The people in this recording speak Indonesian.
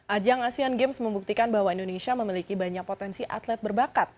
ajang asean games membuktikan bahwa indonesia memiliki banyak potensi atlet berbakat